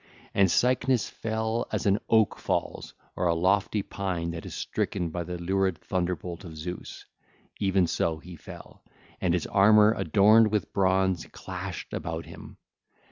And Cycnus fell as an oak falls or a lofty pine that is stricken by the lurid thunderbolt of Zeus; even so he fell, and his armour adorned with bronze clashed about him.